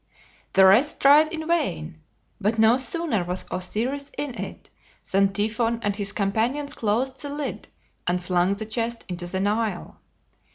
The rest tried in vain, but no sooner was Osiris in it than Typhon and his companions closed the lid and flung the chest into the Nile.